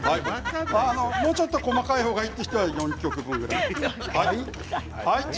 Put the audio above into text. もうちょっと細かい方がいい人は４曲分ぐらい。